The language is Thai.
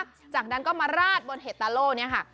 ที่หลังนั้นก็มาราดบนเห็ดตะโล่นี้ค่ะ